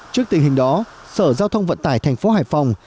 trước tình hình đó sở giao thông vận tải thành phố hải phòng